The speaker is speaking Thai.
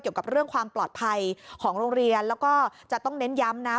เกี่ยวกับเรื่องความปลอดภัยของโรงเรียนแล้วก็จะต้องเน้นย้ำนะ